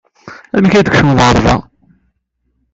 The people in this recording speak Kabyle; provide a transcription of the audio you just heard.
Amek ay d-tkecmem ɣer da?